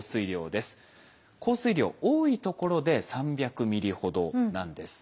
降水量多いところで３００ｍｍほどなんです。